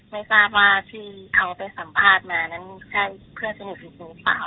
ไม่ทราบว่าที่เอาไปสัมภาษณ์มานั้นมันใช่เพื่อนสนิทจริงจริงหรือเปล่า